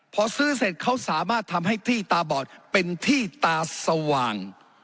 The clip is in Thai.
พอซื้อเสร็จเขาสามารถทำให้ที่ตาบอดเป็นที่ตาสว่าง